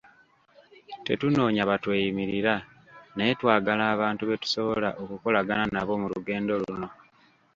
Tetunoonya batweyimirira naye twagala abantu be tusobola okukolagana nabo mu lugendo luno.